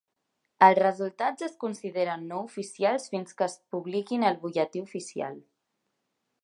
Els resultats es consideren no oficials fins que es publiquin al butlletí oficial.